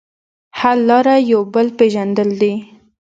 حل لاره یو بل پېژندل دي.